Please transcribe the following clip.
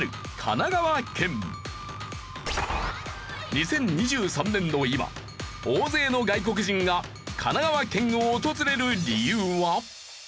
２０２３年の今大勢の外国人が神奈川県を訪れる理由は？